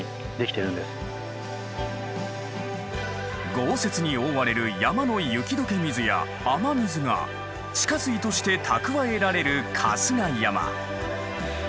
豪雪に覆われる山の雪解け水や雨水が地下水として蓄えられる春日山。